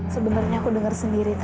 sebenernya aku denger sendiri tan